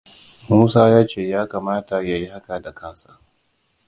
Musa ya ce ya kamat ya yi haka da kansa.